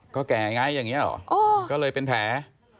ก็แก่ไงอย่างนี้หรอก็เลยเป็นแผล